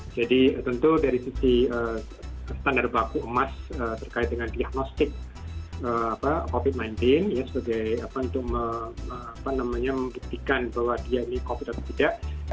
jadi tentu dari sisi standar baku emas terkait dengan diagnostik covid sembilan belas ya sebagai apa untuk mengertikan bahwa dia ini covid atau tidak